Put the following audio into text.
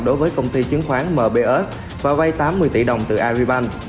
đối với công ty chứng khoán mbs và vay tám mươi tỷ đồng từ aribank